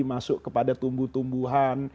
masuk kepada tumbuh tumbuhan